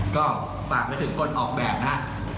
ก็ฝากไปถึงคนออกแบบนะ